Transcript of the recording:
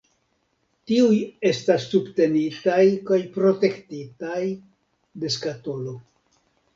Tiuj estas subtenitaj kaj protektitaj de skatolo.